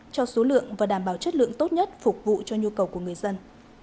cho số lượng và đảm bảo chất lượng tốt nhất phục vụ cho nhu cầu của người dân